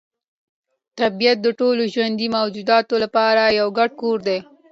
طبیعت د ټولو ژوندیو موجوداتو لپاره یو ګډ کور دی.